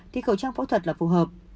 thì khẩu trang phẫu thuật là phù hợp